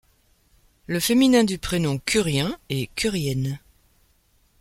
Le féminin du prénom Curien est Curienne.